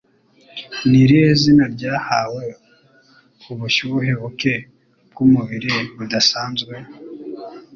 Ni irihe zina ryahawe ubushyuhe buke bw'umubiri budasanzwe?